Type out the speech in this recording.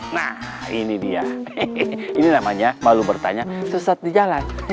nah ini dia ini namanya malu bertanya sesat di jalan